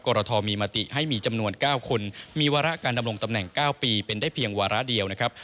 รทมีมติให้มีจำนวน๙คนมีวาระการดำรงตำแหน่ง๙ปีเป็นได้เพียงวาระเดียวนะครับ